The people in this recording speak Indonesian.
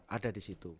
ada di situ